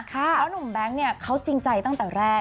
เพราะหนุ่มแบงค์เขาจริงใจตั้งแต่แรก